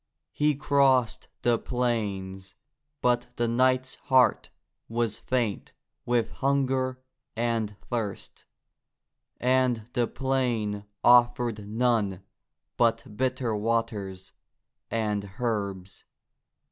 He crossed the plains, but the knight's heart was faint with hunger and thirst, and the plain offered none but bitter waters and herbs.